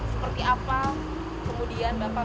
seperti apa kemudian bapak